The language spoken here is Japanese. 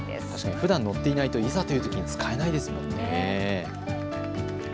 ふだん乗っていないといざというときに使えないですもんね。